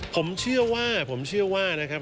ผมเชื่อว่าผมเชื่อว่านะครับ